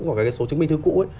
hoặc cái số chứng minh thứ cũ